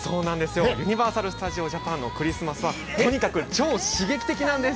◆ユニバーサル・スタジオ・ジャパンのクリスマスは、とにかく超刺激的なんです。